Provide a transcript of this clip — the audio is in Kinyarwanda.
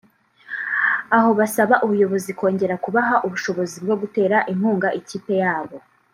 aho basaba ubuyobozi kongera kubaha ubushobozi bwo gutera inkunga ikipe yabo